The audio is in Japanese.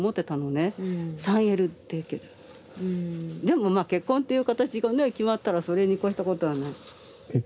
でもまあ結婚っていう形がね決まったらそれに越したことはない。